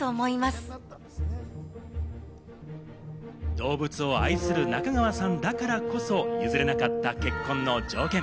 動物を愛する中川さんだからこそ譲れなかった結婚の条件。